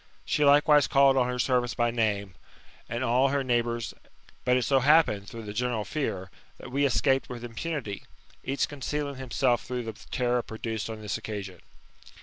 She likewise called on her servants by name, and on All her neighbours; but it so happened, through the general fear, that we escaped with impunity, each concealing himself through the terror produced on this occasion.